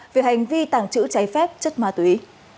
về hành vi tàng trữ cháy phép chất ma túy